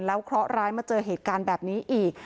เคราะห์ร้ายมาเจอเหตุการณ์แบบนี้อีก